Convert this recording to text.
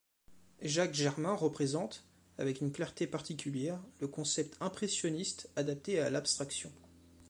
Jacques Germain représente, avec une clarté particulière, le concept impressionniste adapté à l'abstraction.